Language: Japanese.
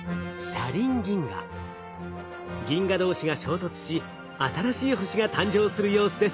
銀河同士が衝突し新しい星が誕生する様子です。